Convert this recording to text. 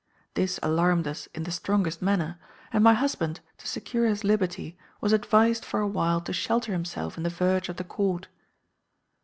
This alarmed us in the strongest manner; and my husband, to secure his liberty, was advised for a while to shelter himself in the verge of the court.